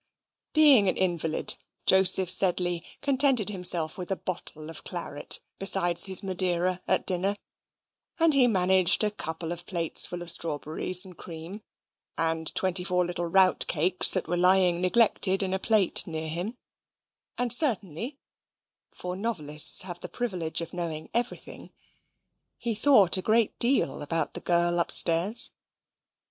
Being an invalid, Joseph Sedley contented himself with a bottle of claret besides his Madeira at dinner, and he managed a couple of plates full of strawberries and cream, and twenty four little rout cakes that were lying neglected in a plate near him, and certainly (for novelists have the privilege of knowing everything) he thought a great deal about the girl upstairs.